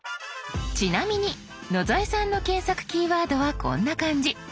ちなみに野添さんの検索キーワードはこんな感じ。